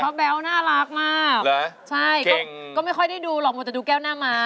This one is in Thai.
เพราะเบลล์น่ารักมากใช่ตกไม่ค่อยได้ดูหรอกแต่ดูแก้วหน้าม้า